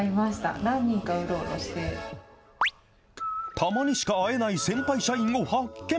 たまにしか会えない先輩社員を発見。